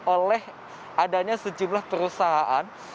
oleh adanya sejumlah perusahaan